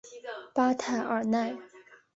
巴泰尔奈。